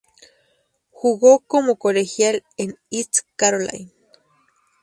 Jugo como colegial en East Carolina.